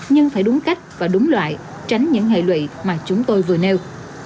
nhưng phải đúng cách và đúng loại tránh những hệ lụy mà chúng tôi vừa nêu